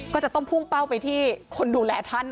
ก็จะต้องพุ่งเป้าไปที่คนดูแลท่าน